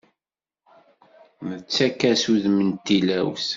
Nettakk-as udem n tilawt.